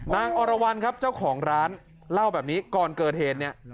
อรวรรณครับเจ้าของร้านเล่าแบบนี้ก่อนเกิดเหตุเนี่ย